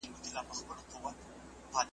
له منظور پښتین سره ,